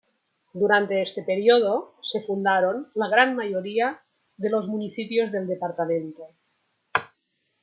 Durante este periodo se fundaron la gran mayoría de los municipios del departamento.